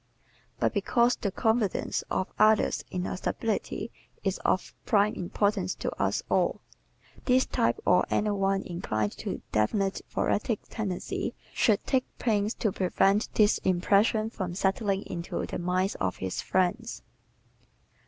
But because the confidence of others in our stability is of prime importance to us all, this type or any one inclined to definite thoracic tendencies should take pains to prevent this impression from settling into the minds of his friends.